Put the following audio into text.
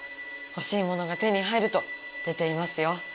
ほしいものが手に入ると出ていますよ。